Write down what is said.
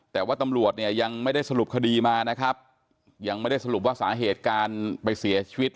แต่ว่าตำรวจเนี่ยยังไม่ได้สรุปคดีมานะครับยังไม่ได้สรุปว่าสาเหตุการไปเสียชีวิต